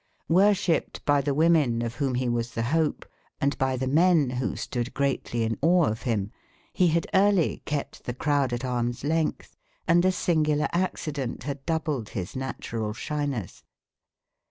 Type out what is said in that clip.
Worshipped by the women of whom he was the hope, and by the men who stood greatly in awe of him, he had early kept the crowd at arm's length, and a singular accident had doubled his natural shyness.